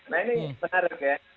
nah ini menarik ya